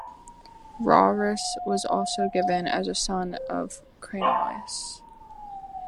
Rarus was also given as a son of Cranaus.